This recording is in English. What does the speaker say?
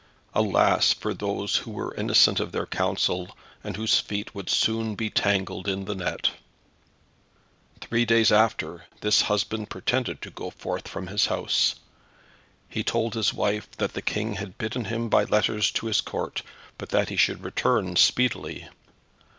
Alas, for those who were innocent of their counsel, and whose feet would soon be tangled in the net. Three days after, this husband pretended to go forth from his house. He told his wife that the King had bidden him by letters to his Court, but that he should return speedily.